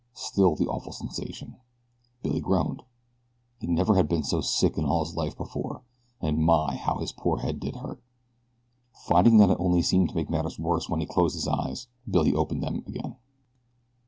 Still the awful sensation. Billy groaned. He never had been so sick in all his life before, and, my, how his poor head did hurt. Finding that it only seemed to make matters worse when he closed his eyes Billy opened them again.